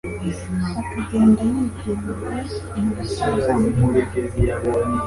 akagenda yibwira ngo nta cyo uzamutwara?